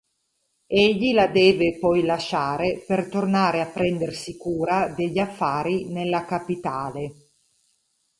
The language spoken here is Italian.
Egli la deve poi lasciare per tornare a prendersi cura degli affari nella capitale.